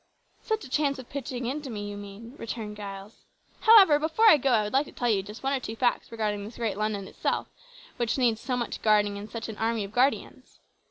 "Such a chance of pitching into me, you mean," returned Giles. "However, before I go I would like to tell you just one or two facts regarding this great London itself, which needs so much guarding and such an army of guardians.